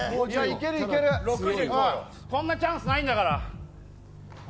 こんなチャンスないんだから。